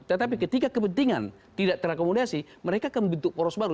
tetapi ketika kepentingan tidak terakomodasi mereka akan membentuk poros baru